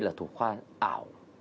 là thủ khoa ảo